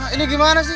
eh ini gimana sih